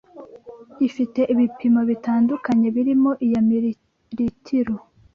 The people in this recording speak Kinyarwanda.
ifite ibipimo bitandukanye birimo iya mililitiro